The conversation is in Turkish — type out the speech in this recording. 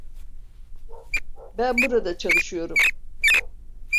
Ben burada çalışıyorum.